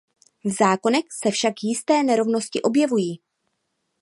V zákonech se však jisté nerovnosti objevují.